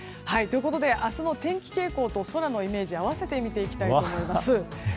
明日の天気傾向と空のイメージを合わせて見ていきたいと思います。